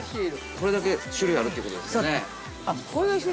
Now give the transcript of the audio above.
◆これだけ種類あるということですね。